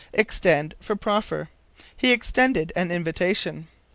Extend for Proffer. "He extended an invitation."